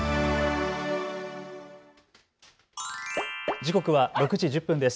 時刻は６時１０分です。